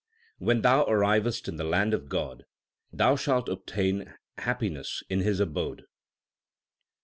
When thou arrivest in the land of God, thou shalt obtain happiness in His abode.